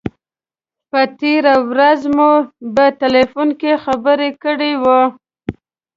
تېره ورځ مو په تیلفون کې خبرې کړې وې.